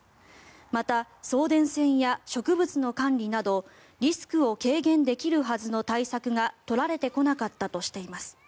また、送電線や植物の管理などリスクを軽減できるはずの対策が取られてこなかったとしています。